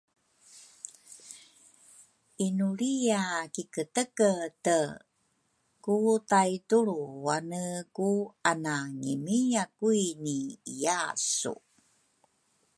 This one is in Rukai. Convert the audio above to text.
Inulria kiketekete ku taytulruane ku ana ngimia kwini iya su!